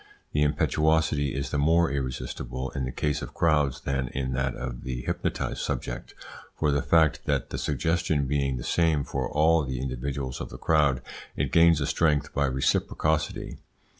This impetuosity is the more irresistible in the case of crowds than in that of the hypnotised subject, from the fact that, the suggestion being the same for all the individuals of the crowd, it gains in strength by reciprocity.